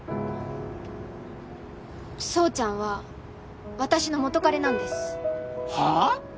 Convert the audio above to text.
宗ちゃんは私の元彼なんですはあ！？